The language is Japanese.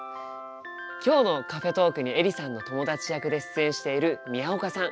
今日のカフェトークにエリさんの友達役で出演している宮岡さん。